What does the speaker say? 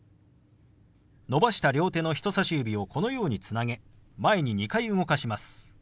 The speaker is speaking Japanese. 伸ばした両手の人さし指をこのようにつなげ前に２回動かします。